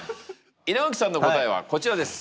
稲垣さんの答えはこちらです。